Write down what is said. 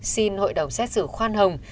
xin hội đồng xét xử khoan hồng